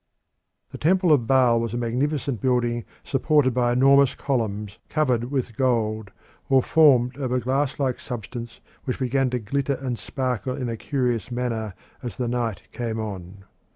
The temple of Baal was a magnificent building supported by enormous columns, covered with gold, or formed of a glass like substance which began to glitter and sparkle in a curious manner as the night came on.